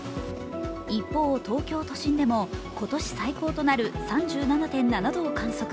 一方、東京都心でも今年最高となる３７．７度を観測。